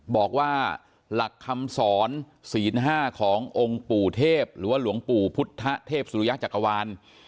บอกว่าหลักคำสอนศีล๕ขององค์ปู่เทพหรือว่าหลวงปู่พุทธเทพสุริยจักรวาล